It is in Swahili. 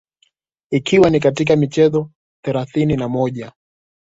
ikiwa ni katika michezo thelathini na moja